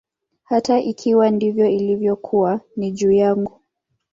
Hata ikiwa ndivyo ilivyokuwa, ni juu yangu.